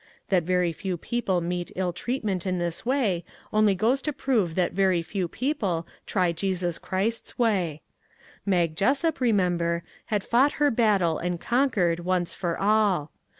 That very few people meet ill treatment in this way only goes to prove that very few people try Jesus Christ's way. Mag Jessup, remember, had fought her battle and conquered, once for all.